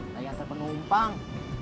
saya antar penumpang